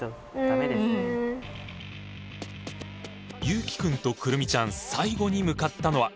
優樹くんと来美ちゃん最後に向かったのは。